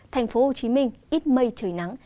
thành phố hồ chí minh ít mây trời nắng